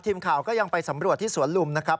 ทีมข่าวก็ยังไปสำรวจที่สวนลุมนะครับ